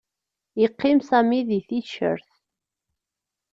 Yeqqim Sami deg ticcert